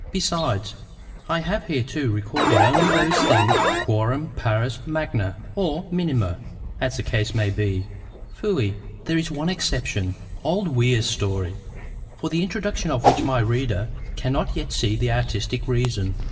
Besides, I have hitherto recorded only those things "quorum pars magna"—or minima, as the case may be—"fui." There is one exception, old Weir's story, for the introduction of which my reader cannot yet see the artistic reason.